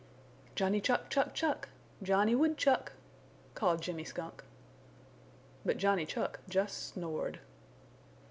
"Johnny Chuck, Chuck, Chuck! Johnny Woodchuck!" called Jimmy Skunk. But Johnny Chuck just snored.